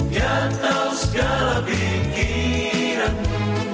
dia tahu segala pikiranmu